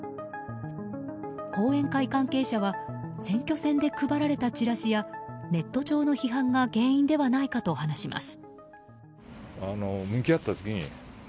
後援会関係者は選挙戦で配られたチラシやネット上の批判が原因ではないかと話します。